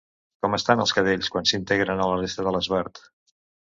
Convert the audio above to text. Com estan els cadells quan s'integren a la resta de l'esbart?